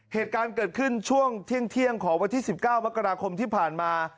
เหตุการณ์เกิดขึ้นช่วงเที่ยงของวันที่๑๙มกราคมที่ผ่านมา